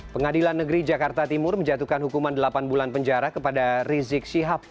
pengadilan negeri jakarta timur menjatuhkan hukuman delapan bulan penjara kepada rizik syihab